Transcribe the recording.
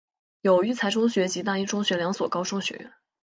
有育才中学及大英中学两所高中学院。